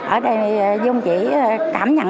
ở đây dung chỉ cảm nhận